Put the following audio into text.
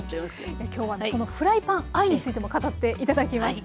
今日はそのフライパン愛についても語って頂きます。